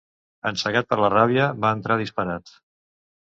Encegat per la ràbia, va entrar disparat.